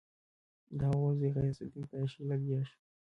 د هغه زوی غیاث الدین په عیاشي لګیا شو.